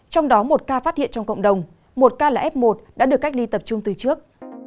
trong đó một ca phát hiện trong cộng đồng một ca là f một đã được cách ly tập trung từ trước